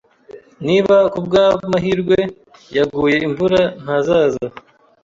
Niba kubwamahirwe yaguye imvura, ntazaza